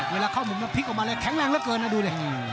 เวลาเข้าหมุนมันพลิกออกมาแข็งแรงเหลือเกิน